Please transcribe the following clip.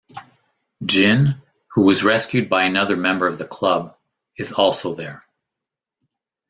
Gin, who was rescued by another member of the club, is also there.